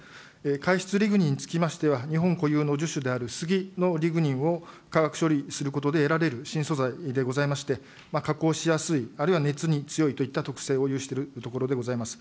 改質リグニンにつきましては、日本固有の樹脂であるスギのリグニンを化学処理することで得られる新素材でございまして、加工しやすい、あるいは熱に強いといった特性を有しているところでございます。